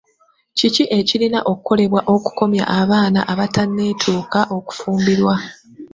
Ki ekirina okukolebwa okukomya abaana abatenneetuuka okufumbirwa?